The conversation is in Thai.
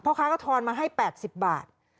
ค้าก็ทอนมาให้๘๐บาท